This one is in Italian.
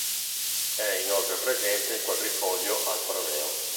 È inoltre presente il Quadrifoglio Alfa Romeo.